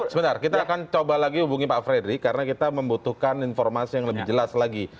sebentar kita akan coba lagi hubungi pak fredrik karena kita membutuhkan informasi yang lebih jelas lagi